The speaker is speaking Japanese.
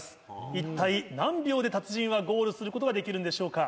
一体何秒で達人はゴールすることができるんでしょうか。